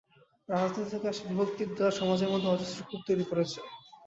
রাজনীতি থেকে আসা বিভক্তির দেয়াল সমাজের মধ্যে অজস্র খোপ তৈরি করছে।